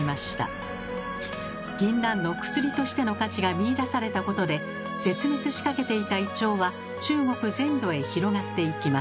ぎんなんの薬としての価値が見いだされたことで絶滅しかけていたイチョウは中国全土へ広がっていきます。